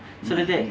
それで。